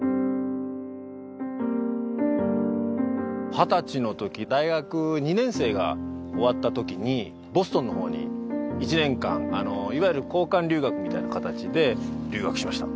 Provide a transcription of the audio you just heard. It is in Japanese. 二十歳のとき大学２年生が終わったときにボストンのほうに１年間いわゆる交換留学みたいな形で留学しました